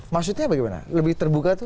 maksudnya bagaimana lebih terbuka itu